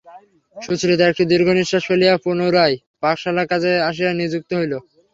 সুচরিতা একটি দীর্ঘনিশ্বাস ফেলিয়া পুনরায় পাকশালার কাজে আসিয়া নিযুক্ত হইল।